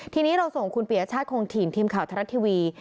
ทีนี้เราส่งคุณผิวชาติครองทีมทีมข่าวทรัฐทีวี